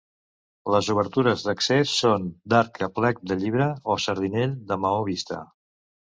Les obertures d'accés són d'arc a plec de llibre o sardinell de maó vista.